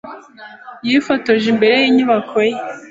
yifotoje imbere yinyubako ye.